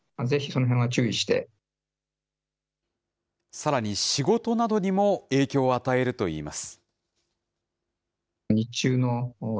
さらに、仕事などにも影響を与えるといいます。